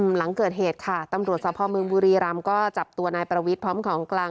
หลังเกิดเหตุค่ะตำรวจท๙๑๑พวมก็จับตัวในประวิทยวร์พร้อมของกลาง